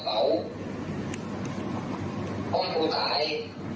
เพราะผู้ตาย